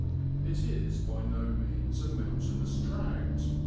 It is by no means a mountainous tract.